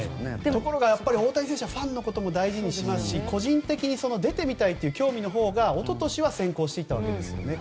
ところが、大谷選手はファンのことも大事にしますし個人的に出てみたいという興味のほうが一昨年は先行していたわけですよね。